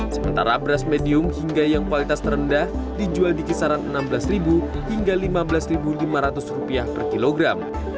sementara beras medium hingga yang kualitas terendah dijual di kisaran rp enam belas hingga rp lima belas lima ratus per kilogram